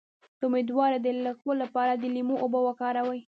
د امیدوارۍ د لکو لپاره د لیمو اوبه وکاروئ